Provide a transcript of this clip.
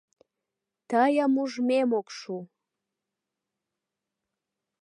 Тыйым ужмем ок шу!